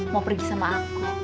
mau pergi sama aku